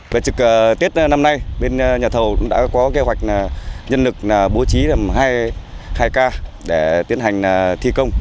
về trực tiết năm nay bên nhà thầu đã có kế hoạch nhân lực bố trí hai ca để tiến hành thi công